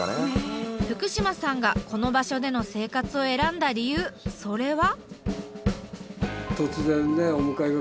福島さんがこの場所での生活を選んだ理由それは？